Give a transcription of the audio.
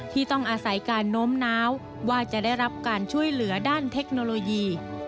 ที่ต้องอาศัยการโน้มน้าวว่าจะได้รับการช่วยเหลือด้านเทคโนโลยี